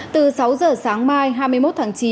từ sáu giờ sáng mai hai mươi một tháng chín